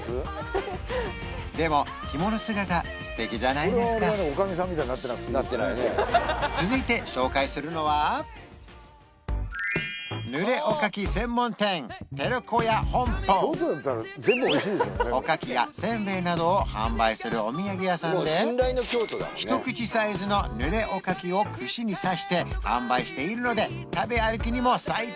でも着物姿素敵じゃないですか続いて紹介するのはおかきや煎餅などを販売するお土産屋さんでひと口サイズのぬれおかきを串に刺して販売しているので食べ歩きにも最適！